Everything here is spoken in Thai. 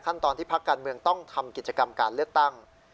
ตอนที่พักการเมืองต้องทำกิจกรรมการเลือกตั้ง